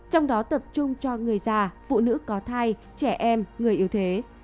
trong đó tập trung cho người già phụ nữ có thai trẻ em người yếu thế